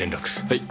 はい。